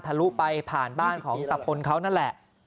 ลุไปผ่านบ้านของตะพลเขานั่นแหละ